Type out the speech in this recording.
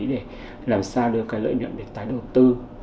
để làm sao đưa cái lợi nhuận để tái đầu tư